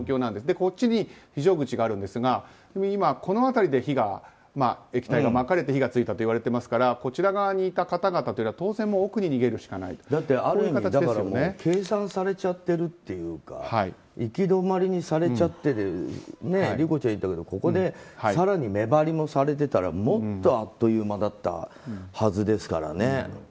こっちに非常口があるんですがこの辺りで液体がまかれて火が付いたといわれていますがこちら側にいた方々は当然、奥に逃げるしかないというある意味計算されちゃってるっていうか行き止まりにされちゃっていて理子ちゃんが言ったけどここで更に目張りもされてたらもっとあっという間だったはずですからね。